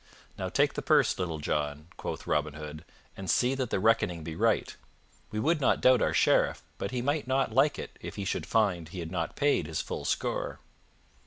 "Now take the purse, Little John," quoth Robin Hood, "and see that the reckoning be right. We would not doubt our Sheriff, but he might not like it if he should find he had not paid his full score."